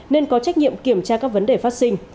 nên có trách nhiệm kiểm tra các vấn đề phát sinh